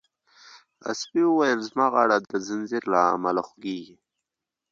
سپي وویل چې زما غاړه د زنځیر له امله خوږیږي.